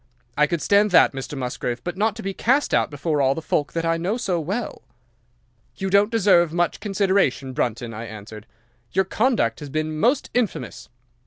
I could stand that, Mr. Musgrave, but not to be cast out before all the folk that I know so well." "'"You don't deserve much consideration, Brunton," I answered. "Your conduct has been most infamous.